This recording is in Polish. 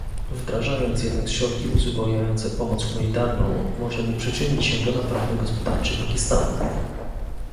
Wdrażając jednak środki uzupełniające pomoc humanitarną możemy przyczynić się do naprawy gospodarczej Pakistanu